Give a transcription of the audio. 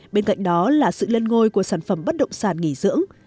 bên cạnh đó là sự lên ngôi của sản phẩm bất động sản nghỉ dưỡng